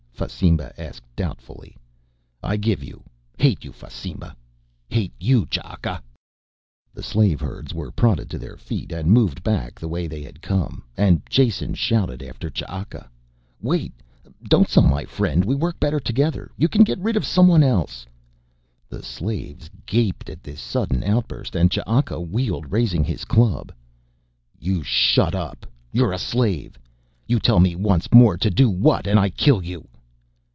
Fasimba asked doubtfully. "I'll give you. Hate you, Fasimba!" "Hate you, Ch'aka." The slave herds were prodded to their feet and moved back the way they had come, and Jason shouted after Ch'aka. "Wait! Don't sell my friend. We work better together, you can get rid of someone else...." The slaves gaped at this sudden outburst and Ch'aka wheeled raising his club. "You shut up. You're a slave. You tell me once more to do what and I kill you."